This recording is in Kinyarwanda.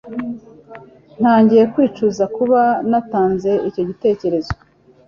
Ntangiye kwicuza kuba natanze icyo gitekerezo